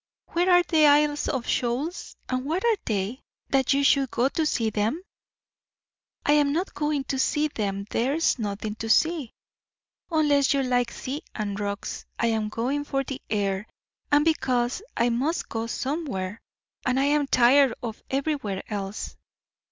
Where are the Isles of Shoals? and what are they, that you should go to see them?" "I'm not going to see them there's nothing to see, unless you like sea and rocks. I am going for the air, and because I must go somewhere, and I am tired of everywhere else.